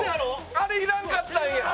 あれ、要らんかったんや。